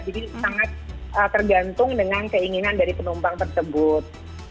jadi sangat tergantung dengan keinginan dari penumpang tersebut